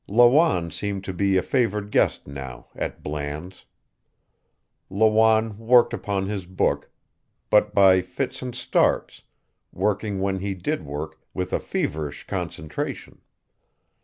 Lawanne seemed to be a favored guest now, at Bland's. Lawanne worked upon his book, but by fits and starts, working when he did work with a feverish concentration.